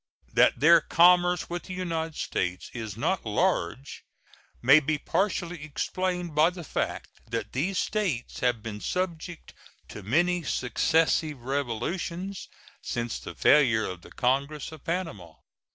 That their commerce with the United States is not large may be partially explained by the fact that these States have been subject to many successive revolutions since the failure of the congress of Panama.